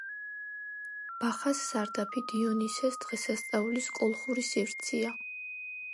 ბახას სარდაფი დიონისეს დღესასწაულის კოლხური სივრცეა.